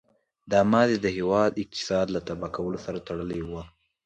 دا ماضي د هېواد اقتصاد له تباه کولو سره تړلې وه.